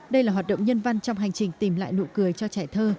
đây là hoạt động nhân văn trong hành trình tìm lại nụ cười cho trẻ thơ